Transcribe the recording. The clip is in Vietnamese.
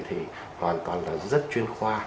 thì hoàn toàn là rất chuyên khoa